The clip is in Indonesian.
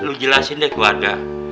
lu jelasin deh ke warda